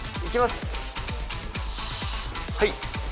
はい。